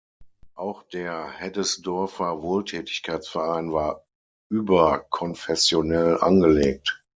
Auch der "Heddesdorfer Wohltätigkeitsverein" war überkonfessionell angelegt.